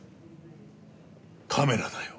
カメラだよ。